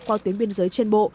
qua tuyến biên giới trên bộ